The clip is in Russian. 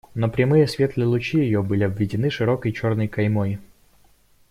Но прямые светлые лучи ее были обведены широкой черной каймой.